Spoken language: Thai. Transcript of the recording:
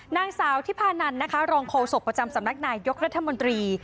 นางสาวทิพานันนะคะรองโฆษกประจำสำนักนายยกรัฐมนตรี